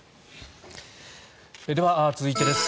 では続いてです。